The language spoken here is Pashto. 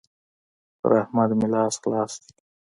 پر احمد مې لاس خلاص دی.